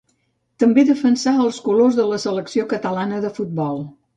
També defensà els colors de la selecció catalana de futbol.